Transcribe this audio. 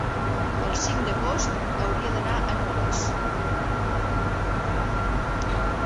el cinc d'agost hauria d'anar a Nulles.